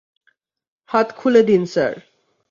হাত খুলে দিন, স্যার।